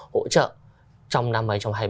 hỗ trợ trong năm hai nghìn hai mươi ba